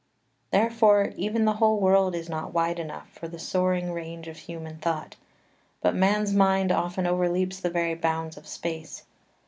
3 Therefore even the whole world is not wide enough for the soaring range of human thought, but man's mind often overleaps the very bounds of space.